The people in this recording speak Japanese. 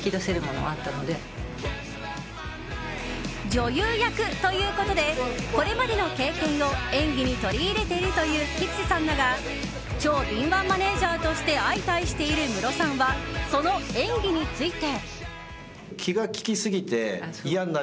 女優役ということでこれまでの経験を演技に取り入れているという吉瀬さんだが超敏腕マネジャーとして相対しているムロさんはその演技について。